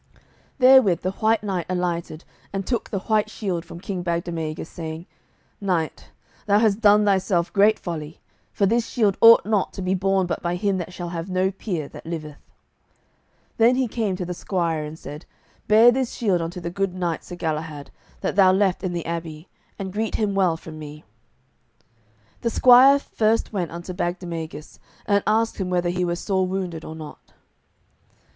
Therewith the White Knight alighted and took the white shield from King Bagdemagus, saying, "Knight, thou hast done thyself great folly, for this shield ought not to be borne but by him that shall have no peer that liveth." Then he came to the squire, and said, "Bear this shield unto the good knight Sir Galahad, that thou left in the abbey, and greet him well from me." The squire first went unto Bagdemagus, and asked him whether he were sore wounded or not.